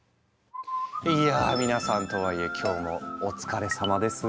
いやあ皆さんとはいえ今日もお疲れさまです。